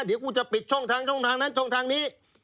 เดี๋ยวกูจะปิดช่องทางนั้นช่องทางนี้